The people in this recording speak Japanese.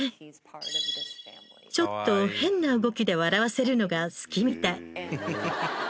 ちょっと変な動きで笑わせるのが好きみたい。